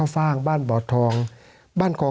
สวัสดีครับทุกคน